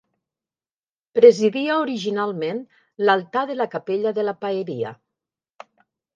Presidia originalment l'altar de la capella de la Paeria.